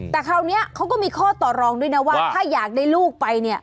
แต่คราวนี้เขาก็มีข้อต่อรองด้วยนะว่าถ้าอยากได้ลูกไปเนี่ย